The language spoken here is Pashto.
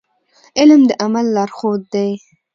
علم د عمل لارښود دی.